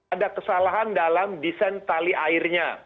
ada kesalahan dalam desain tali airnya